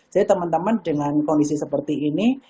jadi teman teman dengan kondisi seperti ini